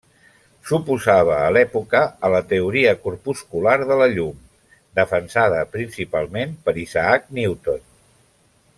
S'oposava a l'època a la teoria corpuscular de la llum, defensada principalment per Isaac Newton.